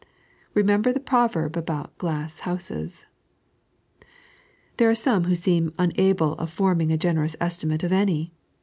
Eemember the proverb about glass houses ! There are some who seem unable of forming a generous estimate of any.